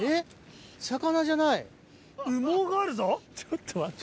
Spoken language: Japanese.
ちょっと待って。